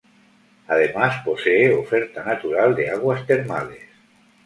Además posee oferta natural de aguas termales.